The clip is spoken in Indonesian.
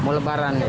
mau lebaran ya